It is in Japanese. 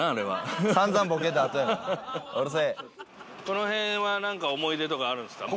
この辺はなんか思い出とかあるんですか？